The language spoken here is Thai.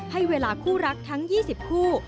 ให้เวลาคู่รักทั้ง๒๐คู่